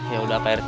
ya udah pak rt